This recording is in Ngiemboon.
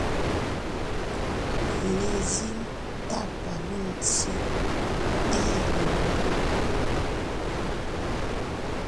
Lezíŋ tá pa Lôŋtsyě ée le wɔ̌?